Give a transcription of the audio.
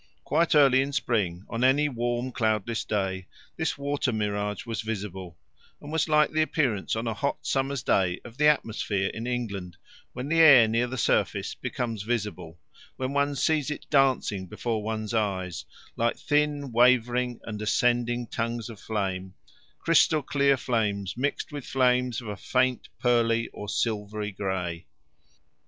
Quite early in spring, on any warm cloudless day, this water mirage was visible, and was like the appearance on a hot summer's day of the atmosphere in England when the air near the surface becomes visible, when one sees it dancing before one's eyes, like thin wavering and ascending tongues of flame crystal clear flames mixed with flames of a faint pearly or silver grey.